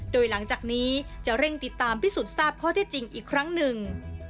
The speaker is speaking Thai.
โดยหลังจากนี้จะเร่งติดตามพิสูจน์ทราบข้อเท็จจริงอีกครั้งหนึ่ง